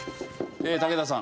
武田さん